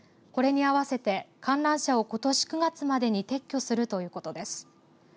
これに合わせて、観覧車をことし９月までに撤去するということです。